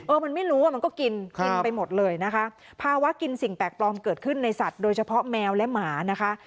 มันไม่รู้อ่ะมันก็กินกินไปหมดเลยนะคะภาวะกินสิ่งแปลกปลอมเกิดขึ้นในสัตว์โดยเฉพาะแมวและหมานะคะ